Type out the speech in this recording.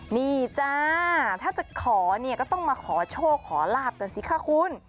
นี่จ้าถ้าจะขอเนี่ยก็ต้องมาขอโชคขอลาบกันสิคะคุณ